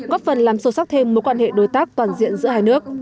góp phần làm sâu sắc thêm mối quan hệ đối tác toàn diện giữa hai nước